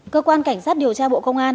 cơ quan cảnh sát điều tra bộ công an